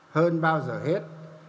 hơn bao giờ hết